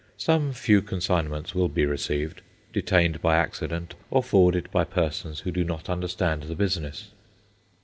Some few consignments will be received, detained by accident, or forwarded by persons who do not understand the business.